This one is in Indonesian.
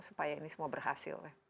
supaya ini semua berhasil